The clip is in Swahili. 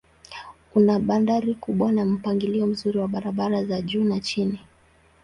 Una bandari kubwa na mpangilio mzuri wa barabara za juu na chini.